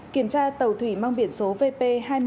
kiểm tra tàu thủy mang biển số vp hai nghìn một trăm tám mươi chín